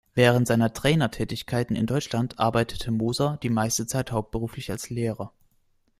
Während seiner Trainertätigkeit in Deutschland arbeitete Moser die meiste Zeit hauptberuflich als Lehrer.